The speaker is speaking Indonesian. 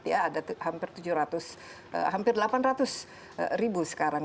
ada hampir delapan ratus ribu sekarang